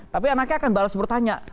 tapi anaknya akan balas bertanya